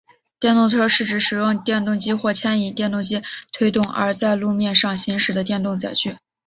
电动车是指使用电动机或牵引电动机推动而在路面上行驶的电动载具。